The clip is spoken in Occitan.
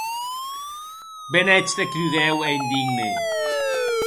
Be n’ètz de crudèu e indigne!